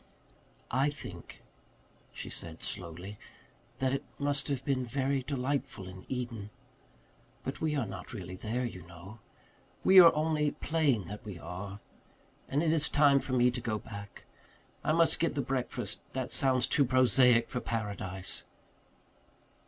"I think," she said slowly, "that it must have been very delightful in Eden. But we are not really there, you know we are only playing that we are. And it is time for me to go back. I must get the breakfast that sounds too prosaic for paradise."